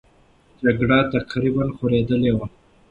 جګړه تقریبا خورېدلې وه.